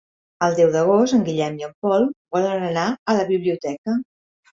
El deu d'agost en Guillem i en Pol volen anar a la biblioteca.